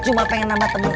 cuma pengen nama temen aja